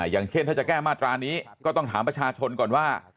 อย่างเช่นถ้าจะแก้มาตรานี้ก็ต้องถามประชาชนก่อนว่า